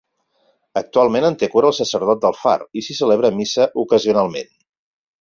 Actualment en te cura el sacerdot del Far i s'hi celebra missa ocasionalment.